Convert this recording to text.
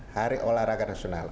hari olahraga nasional